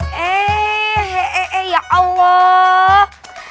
hehehe ya allah